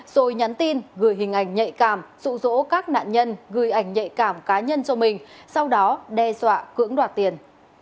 rồi nhắn tin gửi hình ảnh nhạy cảm rụ rỗ các nạn nhân gửi ảnh nhạy cảm cá nhân cho mình sau đó đe dọa cưỡng đoạt tiền